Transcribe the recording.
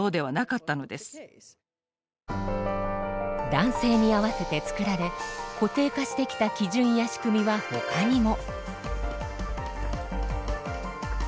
男性に合わせてつくられ固定化してきた基準や仕組みはほかにも。